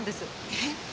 えっ？